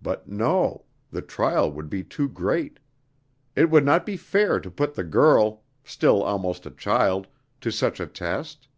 But no, the trial would be too great. It would not be fair to put the girl, still almost a child, to such a test.